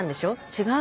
違う？